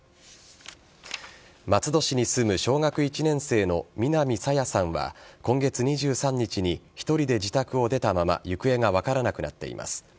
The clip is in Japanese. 松戸市に住む小学１年生の南朝芽さんは今月２３日に１人で自宅を出たまま行方が分からなくなっています。